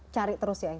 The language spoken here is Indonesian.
cari terus ya